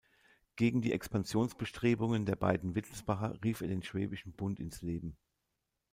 Gegen die Expansionsbestrebungen der beiden Wittelsbacher rief er den Schwäbischen Bund ins Leben.